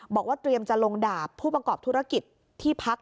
บอกว่าเตรียมจะลงดาบผู้ประกอบธุรกิจที่พัก